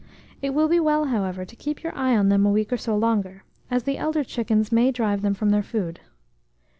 It will be well, however, to keep your eye on them a week or so longer, as the elder chickens may drive them from their food.